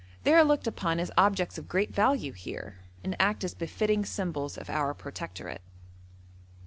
They are looked upon as objects of great value here, and act as befitting symbols of our protectorate.